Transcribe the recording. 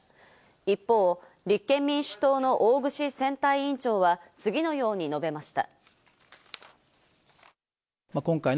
一方、立憲民主党の大串選対委員長は次のように述べました。